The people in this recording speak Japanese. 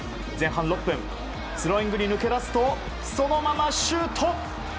前半６分スローイングで抜け出すとそのままシュート！